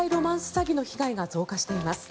詐欺の被害が増加しています。